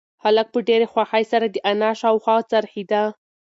هلک په ډېرې خوښۍ سره د انا شاوخوا څرخېده.